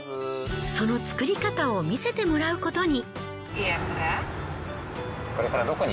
その作り方を見せてもらうことに。